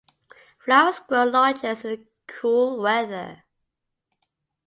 Flowers grow largest in the cool weather.